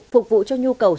phục vụ cho nhu cầu